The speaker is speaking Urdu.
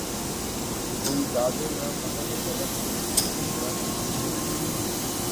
کیوں دادِ غم ہمیں نے طلب کی، بُرا کیا